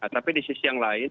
tapi di sisi yang lain